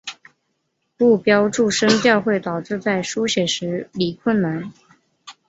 不标注声调会导致在书写时理困难。